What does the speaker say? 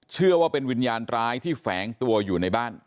เชื่อว่าเป็นวิญญาณร้ายที่แฝงตัวอยู่ในบ้าน